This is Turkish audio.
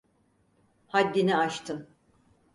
Haddini aştın.